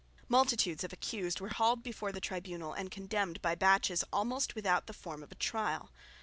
Multitudes of accused were hauled before the tribunal and were condemned by batches almost without the form of a trial.